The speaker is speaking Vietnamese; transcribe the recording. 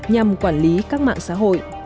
nhằm quản lý các mạng xã hội